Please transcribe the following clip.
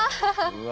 うわ！